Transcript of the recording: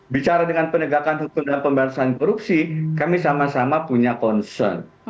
bicara dengan penegakan hukum dan pemberantasan korupsi kami sama sama punya concern